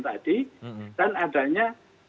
tadi dan adanya